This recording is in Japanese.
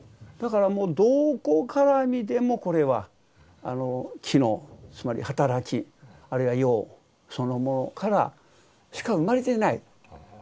だからどこから見てもこれは機能つまり働きあるいは用そのものからしか生まれてない。